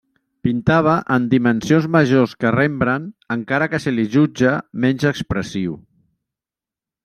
Pintava en dimensions majors que Rembrandt, encara que se li jutja menys expressiu.